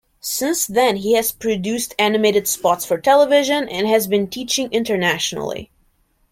Since then he has produced animated spots for television and has been teaching internationally.